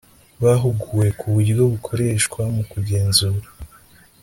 bahuguwe ku uburyo bukoreshwa mu kugenzura